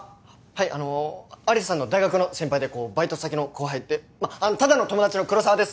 はいあの有栖さんの大学の先輩でこうバイト先の後輩でただの友達の黒澤です